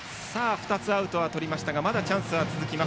２つアウトはとりましたがまだチャンスは続きます